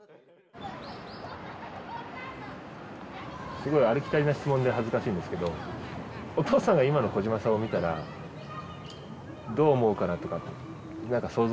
すごいありきたりな質問で恥ずかしいんですけどお父さんが今の小島さんを見たらどう思うかなとか何か想像できますか？